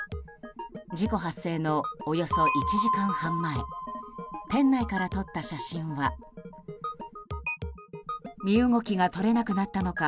事故発生のおよそ１時間半前店内から撮った写真は身動きが取れなくなったのか